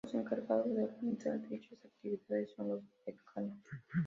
Los encargados de organizar dichas actividades son los decanos.